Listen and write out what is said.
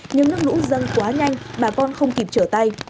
nhưng nước lũ dâng quá nhanh bà con không kịp trở tay